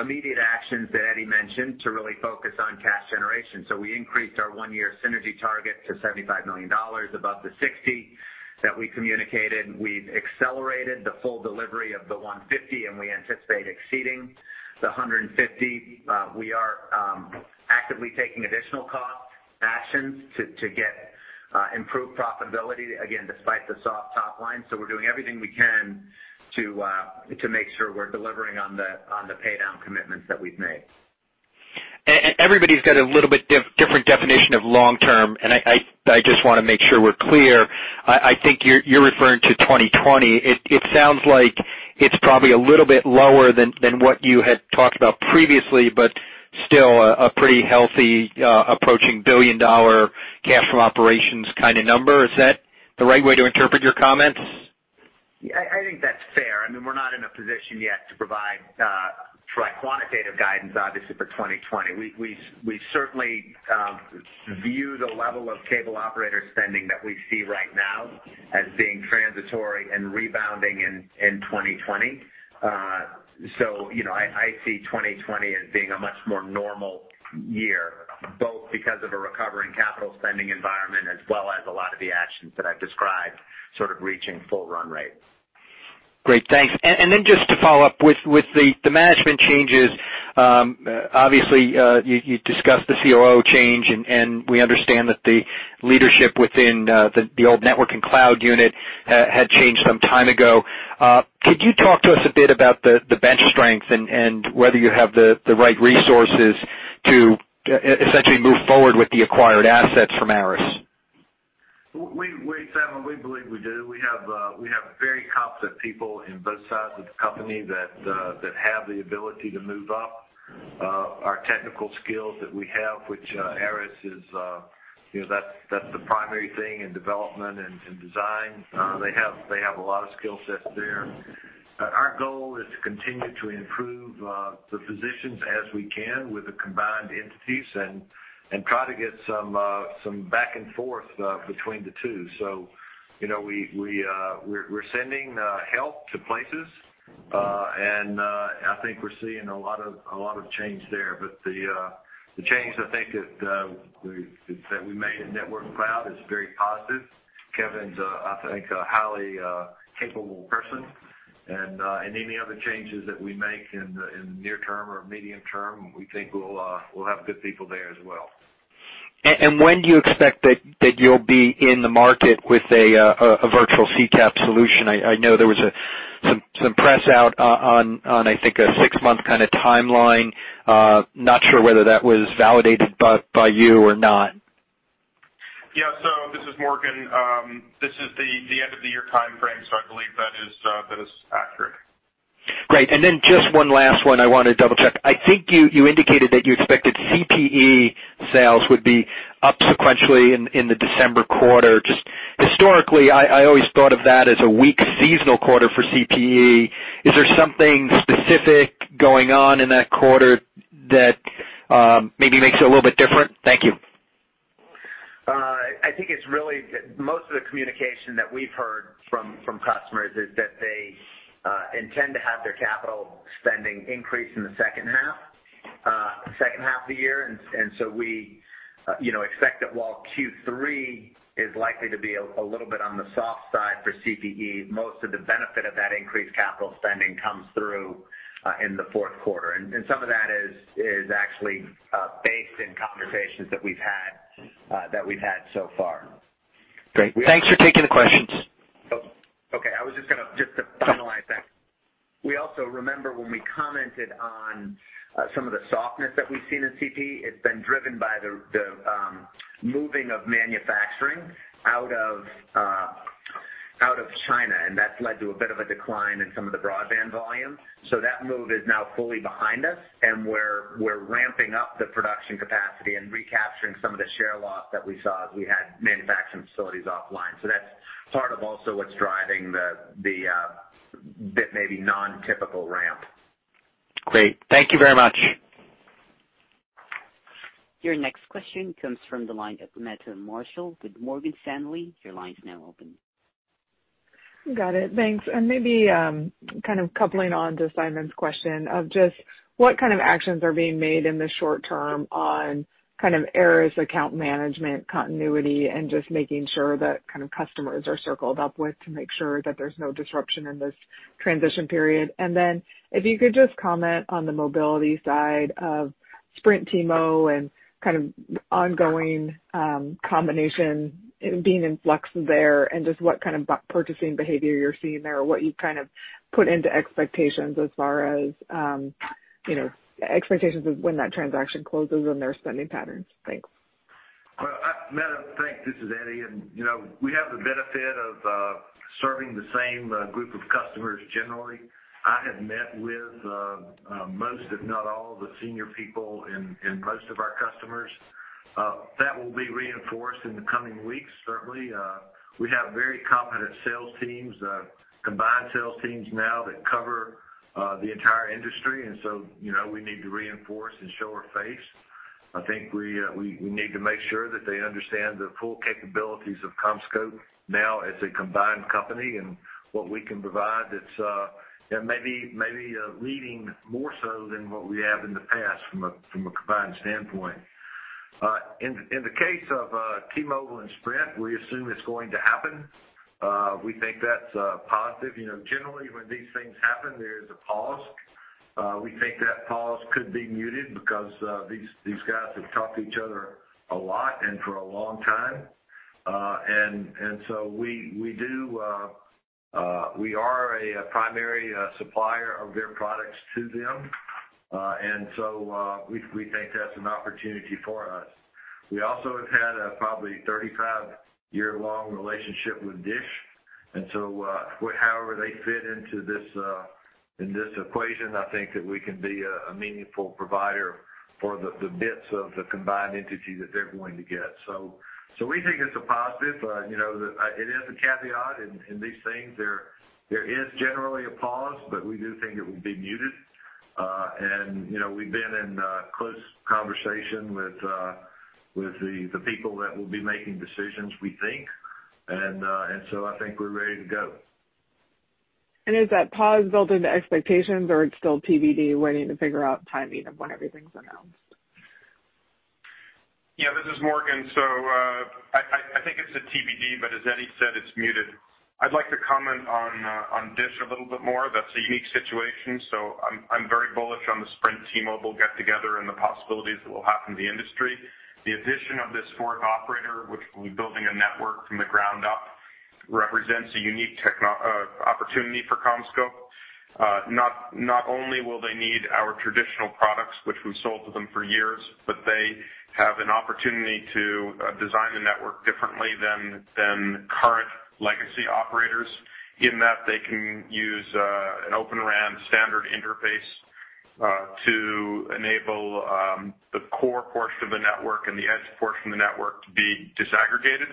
Speaker 3: immediate actions that Eddie mentioned to really focus on cash generation. We increased our one-year synergy target to $75 million above the $60 million that we communicated. We've accelerated the full delivery of the 150, and we anticipate exceeding the 150. We are actively taking additional cost actions to get improved profitability, again, despite the soft top line. We're doing everything we can to make sure we're delivering on the pay down commitments that we've made.
Speaker 8: Everybody's got a little bit different definition of long term, and I just want to make sure we're clear. I think you're referring to 2020. It sounds like it's probably a little bit lower than what you had talked about previously, but still a pretty healthy, approaching billion-dollar cash from operations kind of number. Is that the right way to interpret your comments?
Speaker 3: I think that's fair. We're not in a position yet to provide quantitative guidance, obviously, for 2020. We certainly view the level of cable operator spending that we see right now as being transitory and rebounding in 2020. I see 2020 as being a much more normal year, both because of a recovering capital spending environment as well as a lot of the actions that I've described, sort of reaching full run rates.
Speaker 8: Great. Thanks. Then just to follow up, with the management changes, obviously, you discussed the COO change, and we understand that the leadership within the old Network & Cloud unit had changed some time ago. Could you talk to us a bit about the bench strength and whether you have the right resources to essentially move forward with the acquired assets from ARRIS?
Speaker 4: Simon, we believe we do. We have very competent people in both sides of the company that have the ability to move up. Our technical skills that we have, which ARRIS, that's the primary thing in development and design. They have a lot of skill sets there. Our goal is to continue to improve the positions as we can with the combined entities and try to get some back and forth between the two. We're sending help to places, and I think we're seeing a lot of change there. The change I think that we made in Network & Cloud is very positive. Kevin is, I think, a highly capable person, and any other changes that we make in the near term or medium term, we think we'll have good people there as well.
Speaker 8: When do you expect that you'll be in the market with a virtual CCAP solution? I know there was some press out on, I think, a six-month kind of timeline. I am not sure whether that was validated by you or not.
Speaker 6: Yeah. This is Morgan. This is the end of the year timeframe, I believe that is accurate.
Speaker 8: Great. Just one last one I want to double-check. I think you indicated that you expected CPE sales would be up sequentially in the December quarter. Just historically, I always thought of that as a weak seasonal quarter for CPE. Is there something specific going on in that quarter that maybe makes it a little bit different? Thank you.
Speaker 3: I think most of the communication that we've heard from customers is that they intend to have their capital spending increase in the second half of the year. We expect that while Q3 is likely to be a little bit on the soft side for CPE, most of the benefit of that increased capital spending comes through in the fourth quarter. Some of that is actually based in conversations that we've had so far.
Speaker 8: Great. Thanks for taking the questions.
Speaker 3: Okay. Just to finalize that, we also remember when we commented on some of the softness that we've seen in CPE, it's been driven by the moving of manufacturing out of China, and that's led to a bit of a decline in some of the broadband volumes. That move is now fully behind us, and we're ramping up the production capacity and recapturing some of the share loss that we saw as we had manufacturing facilities offline. That's part of also what's driving the bit maybe non-typical ramp.
Speaker 8: Great. Thank you very much.
Speaker 1: Your next question comes from the line of Meta Marshall with Morgan Stanley. Your line's now open.
Speaker 9: Got it. Thanks. Maybe coupling on to Simon's question of just what kind of actions are being made in the short term on ARRIS, account management, continuity, and just making sure that customers are circled up with to make sure that there's no disruption in this transition period. If you could just comment on the mobility side of Sprint T-Mobile and ongoing combination being in flux there, and just what kind of purchasing behavior you're seeing there or what you've put into expectations as far as, expectations of when that transaction closes and their spending patterns. Thanks.
Speaker 4: Meta, thanks. This is Eddie, and we have the benefit of serving the same group of customers generally. I have met with most, if not all, the senior people in most of our customers. That will be reinforced in the coming weeks, certainly. We have very competent sales teams, combined sales teams now that cover the entire industry. We need to reinforce and show our face. I think we need to make sure that they understand the full capabilities of CommScope now as a combined company and what we can provide that's maybe leading more so than what we have in the past from a combined standpoint. In the case of T-Mobile and Sprint, we assume it's going to happen. We think that's positive. Generally, when these things happen, there is a pause. We think that pause could be muted because these guys have talked to each other a lot and for a long time. We are a primary supplier of their products to them. We think that's an opportunity for us. We also have had a probably 35-year-long relationship with Dish, and so however they fit into this equation, I think that we can be a meaningful provider for the bits of the combined entity that they're going to get. We think it's a positive. It is a caveat in these things. There is generally a pause, but we do think it will be muted. We've been in close conversation with the people that will be making decisions, we think. I think we're ready to go.
Speaker 9: Is that pause built into expectations, or it's still TBD, waiting to figure out timing of when everything's announced?
Speaker 6: This is Morgan. I think it's a TBD, but as Eddie said, it's muted. I'd like to comment on Dish a little bit more. That's a unique situation. I'm very bullish on the Sprint T-Mobile get-together and the possibilities that will happen to the industry. The addition of this fourth operator, which will be building a network from the ground up, represents a unique opportunity for CommScope. Not only will they need our traditional products, which we've sold to them for years, but they have an opportunity to design the network differently than current legacy operators, in that they can use an Open RAN standard interface to enable the core portion of the network and the edge portion of the network to be disaggregated.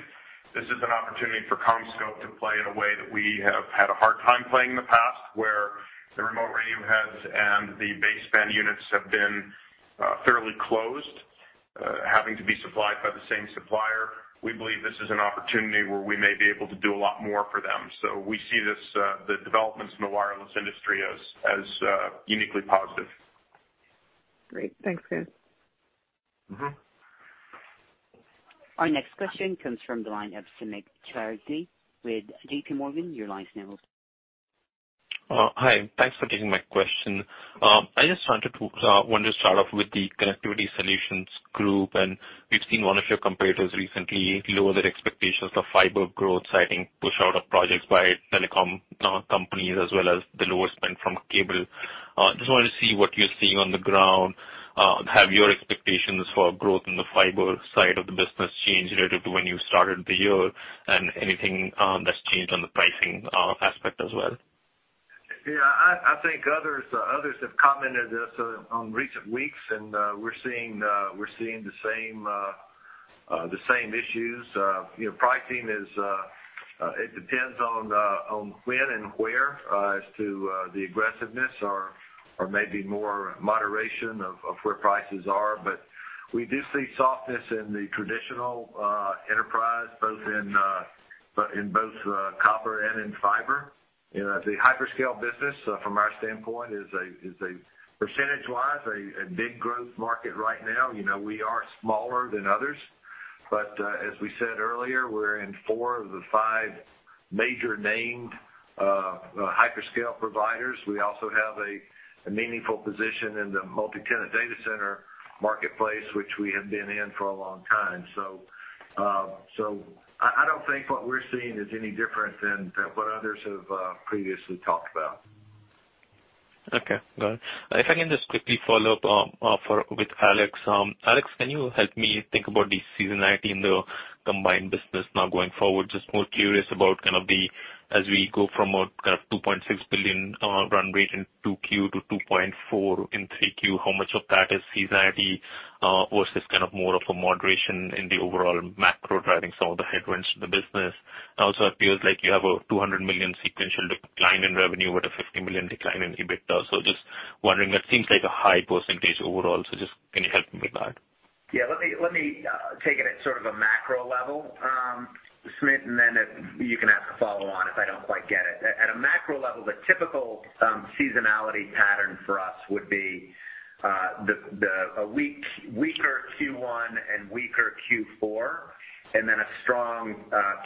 Speaker 6: This is an opportunity for CommScope to play in a way that we have had a hard time playing in the past, where the remote radio heads and the baseband units have been fairly closed, having to be supplied by the same supplier. We believe this is an opportunity where we may be able to do a lot more for them. We see the developments in the wireless industry as uniquely positive.
Speaker 9: Great. Thanks, guys.
Speaker 1: Our next question comes from the line of Samik Chatterjee with J.P. Morgan. Your line's now open.
Speaker 10: Hi, thanks for taking my question. I just wanted to start off with the Connectivity Solutions group, and we've seen one of your competitors recently lower their expectations of fiber growth, citing push out of projects by telecom companies as well as the lower spend from cable. Just wanted to see what you're seeing on the ground. Have your expectations for growth in the fiber side of the business changed relative to when you started the year? Anything that's changed on the pricing aspect as well?
Speaker 4: I think others have commented this on recent weeks, and we're seeing the same issues. Pricing, it depends on when and where as to the aggressiveness or maybe more moderation of where prices are. We do see softness in the traditional enterprise, both in copper and in fiber. The hyperscale business, from our standpoint, is a percentage-wise, a big growth market right now. We are smaller than others, but as we said earlier, we're in four of the five major named hyperscale providers. We also have a meaningful position in the multi-tenant data center marketplace, which we have been in for a long time. I don't think what we're seeing is any different than what others have previously talked about.
Speaker 10: Okay, got it. If I can just quickly follow up with Alex. Alex, can you help me think about the seasonality in the combined business now going forward? Just more curious about as we go from a $2.6 billion run rate in 2Q to $2.4 billion in 3Q, how much of that is seasonality versus more of a moderation in the overall macro driving some of the headwinds to the business? Also, it feels like you have a $200 million sequential decline in revenue with a $50 million decline in EBITDA. Just wondering, that seems like a high percentage overall. Can you help me with that?
Speaker 3: Yeah. Let me take it at sort of a macro level, Samik, then you can ask a follow-on if I don't quite get it. At a macro level, the typical seasonality pattern for us would be a weaker Q1 and weaker Q4, then a strong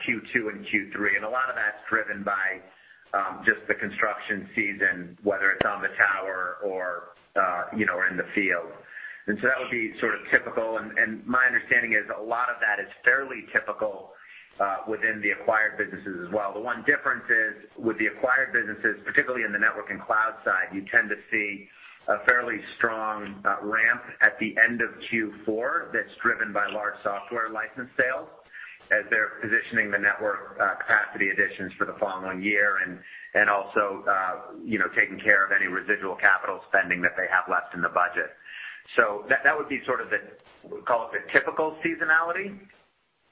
Speaker 3: Q2 and Q3. A lot of that's driven by just the construction season, whether it's on the tower or in the field. That would be sort of typical, and my understanding is a lot of that is fairly typical within the acquired businesses as well. The one difference is with the acquired businesses, particularly in the Network & Cloud side, you tend to see a fairly strong ramp at the end of Q4 that's driven by large software license sales as they're positioning the network capacity additions for the following year and also taking care of any residual capital spending that they have left in the budget. That would be sort of the, we'll call it the typical seasonality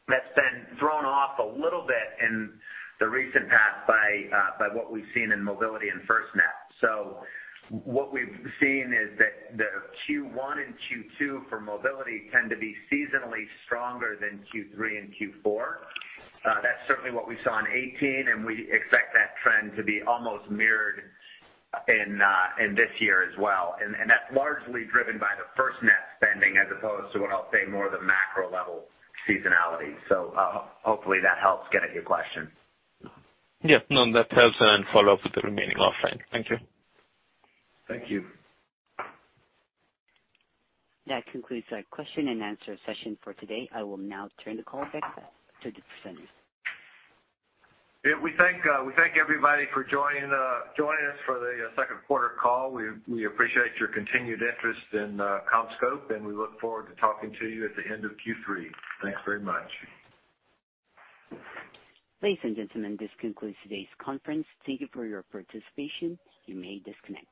Speaker 3: that's been thrown off a little bit in the recent past by what we've seen in Mobility and FirstNet. What we've seen is that the Q1 and Q2 for Mobility tend to be seasonally stronger than Q3 and Q4. That's certainly what we saw in 2018, and we expect that trend to be almost mirrored in this year as well. That's largely driven by the FirstNet spending as opposed to what I'll say more the macro-level seasonality. Hopefully that helps get at your question.
Speaker 10: Yeah, no, that helps. I'll follow up with the remaining offline. Thank you.
Speaker 3: Thank you.
Speaker 1: That concludes our question and answer session for today. I will now turn the call back to the presenters.
Speaker 3: We thank everybody for joining us for the second quarter call. We appreciate your continued interest in CommScope. We look forward to talking to you at the end of Q3. Thanks very much.
Speaker 1: Ladies and gentlemen, this concludes today's conference. Thank you for your participation. You may disconnect.